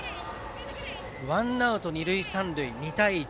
ワンアウト、二塁三塁２対１。